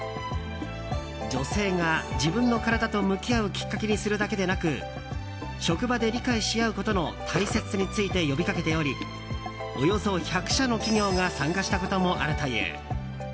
女性が自分の体と向き合うきっかけにするだけでなく職場で理解し合うことの大切さについて呼びかけておりおよそ１００社の企業が参加したこともあるという。